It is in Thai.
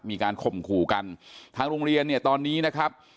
มีการข่มขู่กันทางโรงเรียนตอนนี้นะครับ